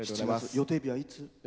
予定日はいつ？